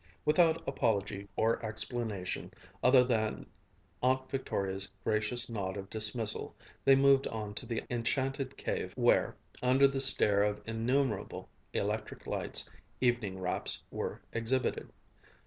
Without apology or explanation, other than Aunt Victoria's gracious nod of dismissal, they moved on to the enchanted cave where, under the stare of innumerable electric lights, evening wraps were exhibited.